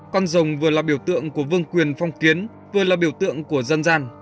con rồng vừa là biểu tượng của vương quyền phong kiến vừa là biểu tượng của dân gian